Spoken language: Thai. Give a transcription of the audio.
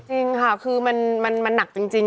จริงค่ะคือมันหนักจริง